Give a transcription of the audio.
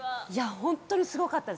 本当にすごかったです